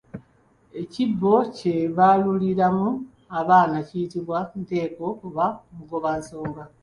Ekibbo kye baaluliramu abaana kiyitibwa Nteeko oba Mugobansonga.